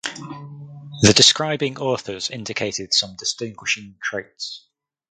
The describing authors indicated some distinguishing traits.